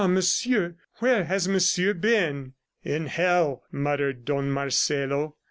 Monsieur! ... Where has Monsieur been?" ... "In hell!" muttered Don Marcelo.